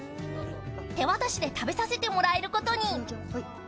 手渡しで食べさせてもらえることに。